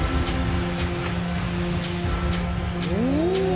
おお！